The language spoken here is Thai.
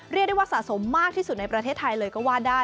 เรียกได้ว่าสะสมมากที่สุดในประเทศไทยเลยก็ว่าได้